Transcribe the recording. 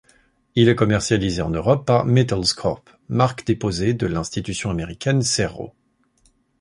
Il est commercialisé en Europe par Metals Corp, marque déposée de l'institution américaine Cerro.